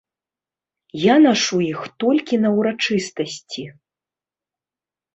Я нашу іх толькі на ўрачыстасці.